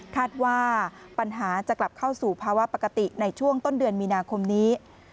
คาดว่าปัญหาจะกลับเข้าสู่ภาวะปกติในช่วงต้นเดือนมีนาคมนี้